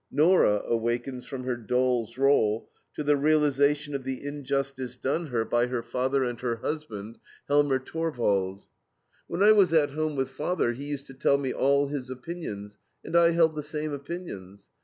Nora awakens from her doll's role to the realization of the injustice done her by her father and her husband, Helmer Torvald. "While I was at home with father, he used to tell me all his opinions, and I held the same opinions.